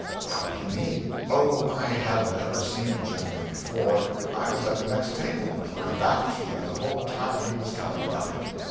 "How do you mean?" "Oh, I hadn't ever seen the gentleman before. I was at the next table, with my back to you the whole time he was telling about it.